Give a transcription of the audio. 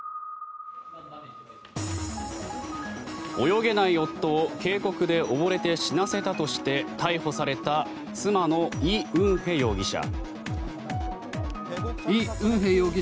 泳げない夫を渓谷で溺れさせて死なせたとして逮捕された妻のイ・ウンヘ容疑者。